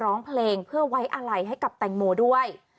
ร้องเพลงเพื่อไว้อะไรให้กับแตงโมด้วย